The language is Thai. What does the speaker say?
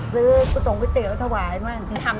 ก็ส่งไปเตรียมแล้วถ่วาย